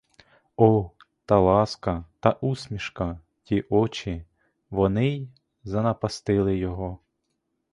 О, та ласка, та усмішка, ті очі — вони й занапастили його!